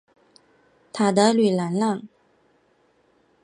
塔德吕兰让。